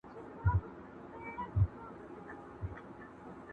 که معنا د عقل دا جهان سوزي وي،